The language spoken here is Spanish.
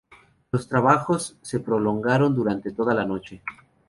Los trabajos se prolongaron durante toda la noche.